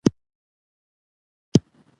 د ټیلیفون انټرنېټ هر ځای کار ورکوي.